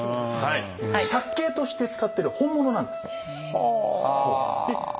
借景として使ってる本物なんです。